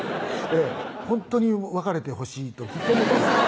ほんとに別れてほしいとずっと思ってます